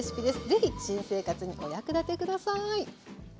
是非新生活にお役立て下さい！